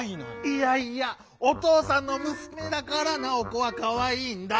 いやいや「おとうさんのむすめだからナオコはかわいい」んだ！